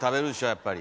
やっぱり。